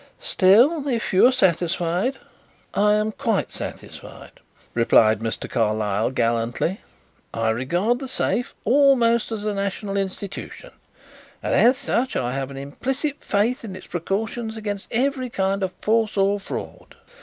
Still, if you are satisfied " "I am quite satisfied," replied Mr. Carlyle gallantly. "I regard 'The Safe' almost as a national institution, and as such I have an implicit faith in its precautions against every kind of force or fraud."